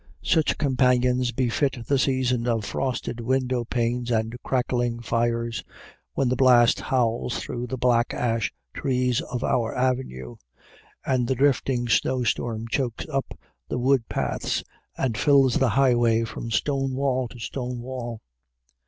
Such companions befit the season of frosted window panes and crackling fires, when the blast howls through the black ash trees of our avenue, and the drifting snowstorm chokes up the wood paths and fills the highway from stone wall to stone wall.